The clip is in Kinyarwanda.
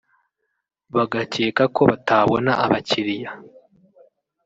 bagakeka ko batabona abakiliya